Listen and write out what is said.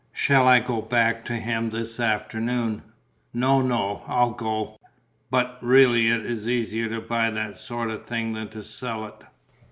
Shall I go back to him this afternoon?" "No, no, I'll go. But, really it is easier to buy that sort of thing than to sell it."